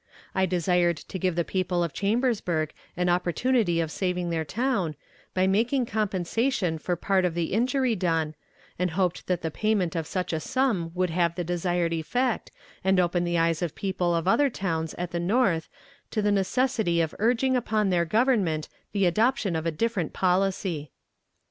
I desired to give the people of Chambersburg an opportunity of saving their town, by making compensation for part of the injury done, and hoped that the payment of such a sum would have the desired effect, and open the eyes of people of other towns at the North to the necessity of urging upon their Government the adoption of a different policy.